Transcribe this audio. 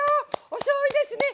おしょうゆですね